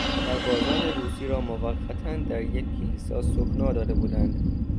سربازان روسی را موقتا در یک کلیسا سکنی داده بودند.